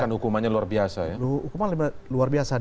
bahkan hukumannya luar biasa ya